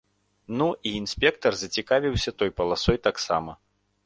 Ну і інспектар зацікавіўся той паласой таксама.